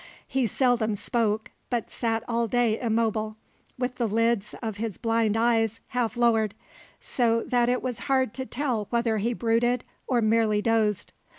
He seldom spoke, but sat all day immobile, with the lids of his blind eyes half lowered, so that it was hard to tell whether he brooded or merely dozed.